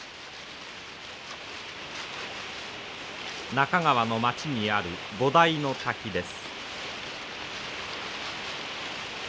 中川の町にある菩提の滝です。